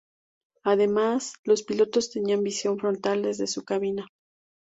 Además, los pilotos tenían visión frontal desde su cabina.